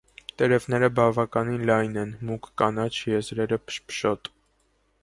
Տերևները բավականին լայն են, մուգ կանաչ, եզրերը՝ փշփշոտ։